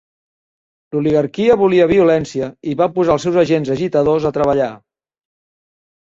L'oligarquia volia violència i va posar els seus agents agitadors a treballar.